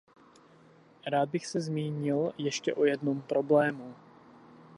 Rád bych se zmínil ještě o jednom problému.